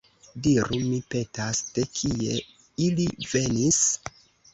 Diru, mi petas, de kie ili venis?